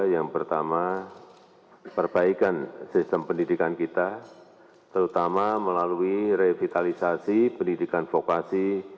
yang pertama perbaikan sistem pendidikan kita terutama melalui revitalisasi pendidikan vokasi